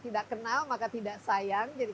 tidak kenal maka tidak sayang jadi